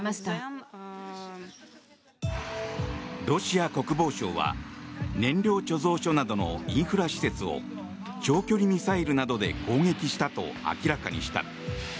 ロシア国防省は燃料貯蔵所などのインフラ施設を長距離ミサイルなどで攻撃したと明らかにした。